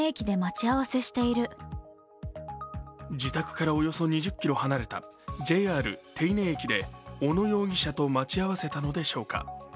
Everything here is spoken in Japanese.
自宅からおよそ２０ｋｍ離れたＪＲ手稲駅で小野容疑者と待ち合わせたのでしょうか。